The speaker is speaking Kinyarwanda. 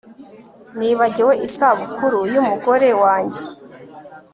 Nibagiwe isabukuru yumugore wanjye